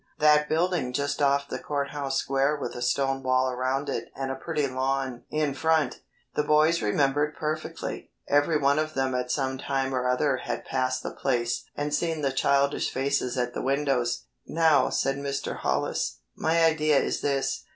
That building just off the Court House Square with a stone wall around it and a pretty lawn in front." The boys remembered perfectly. Every one of them at some time or other had passed the place and seen the childish faces at the windows. "Now," said Mr. Hollis, "my idea is this.